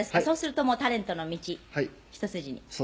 そうするともうタレントの道一筋に」